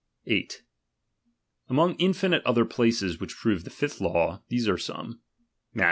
8. Among infinite other places which prove the *i ^h law, these are some : Matth.